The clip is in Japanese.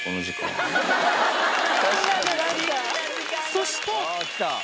そして。